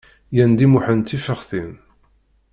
Yendi Muḥend tifexxtin.